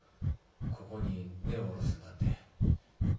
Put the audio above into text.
ここに根を下ろすんだって。